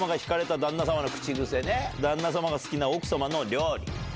旦那様が好きな奥様の料理。